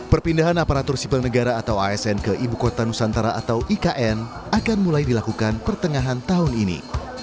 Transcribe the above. perpindahan aparatur sipil negara atau asn ke ibu kota nusantara atau ikn akan mulai dilakukan pertengahan tahun ini